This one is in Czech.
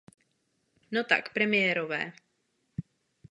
No tak, premiérové!